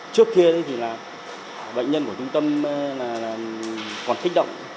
trước kia bệnh nhân của trung tâm còn thích động